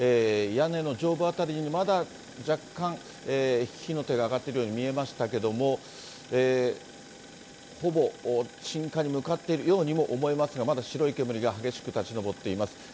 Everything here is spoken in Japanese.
屋根の上部辺りにまだ若干、火の手が上がっているように見えましたけれども、ほぼ鎮火に向かっているようにも思えますが、まだ白い煙が激しく立ちのぼっています。